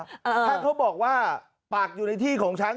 ถ้าเขาบอกว่าปักอยู่ในที่ของฉัน